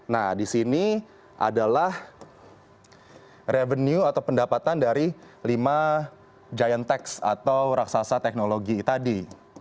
nah di sini adalah revenue atau pendapatan dari lima giant text atau raksasa teknologi tadi